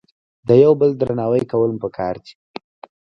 د یو بل درناوی کول په کار دي